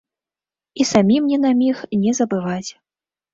І самім ні на міг не забываць.